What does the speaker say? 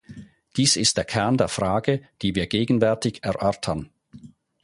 Dies ist der Kern der Frage, die wir gegenwärtig erörtern.